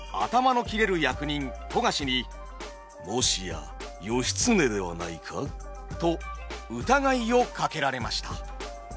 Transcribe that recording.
役人富樫に「もしや義経ではないか？」と疑いをかけられました。